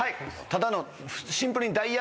ただの。